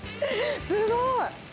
すごい！